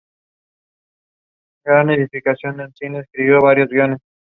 Gerónimo Carrión, Av.